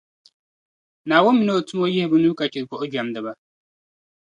Naawuni mini O tumo yihi bɛ nuu ka chɛ buɣujɛmdiba.